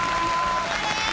頑張れ！